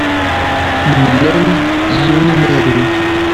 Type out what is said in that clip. Nemlal-d yiwen umaru.